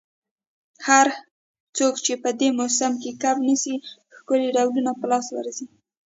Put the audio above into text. هر څوک چي په دې موسم کي کب نیسي، ښکلي ډولونه په لاس ورځي.